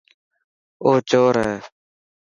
او چور هي.